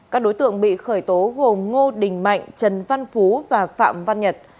các đối tượng bị khởi tố gồm ngô đình mạnh trần văn phú và phạm văn nhật